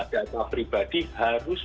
data pribadi harus